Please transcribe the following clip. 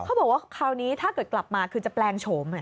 เขาบอกว่าคราวนี้ถ้าเกิดกลับมาคือจะแปลงโฉม